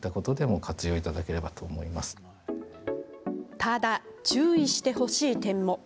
ただ、注意してほしい点も。